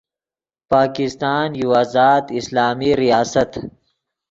پاکستان یو آزاد اسلامی ریاست